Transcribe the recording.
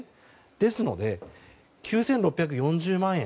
ですので、９６４０万円。